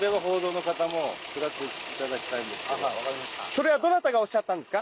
・それはどなたがおっしゃったんですか？